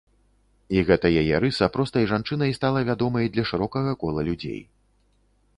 І гэта яе рыса простай жанчынай стала вядомай для шырокага кола людзей.